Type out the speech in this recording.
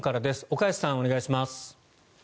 岡安さん、お願いします。